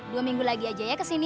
dua minggu lagi aja ya kesini